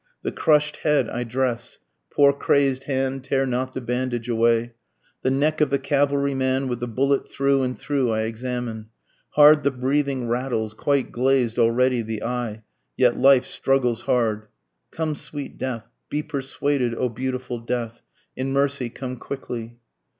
The crush'd head I dress, (poor crazed hand tear not the bandage away,) The neck of the cavalry man with the bullet through and through I examine, Hard the breathing rattles, quite glazed already the eye, yet life struggles hard, (Come sweet death! be persuaded O beautiful death! In mercy come quickly.)